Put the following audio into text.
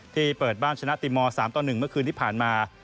ที่เปิดบ้านชนะทีมอล๓๑เมื่อคืนที่ผ่านมา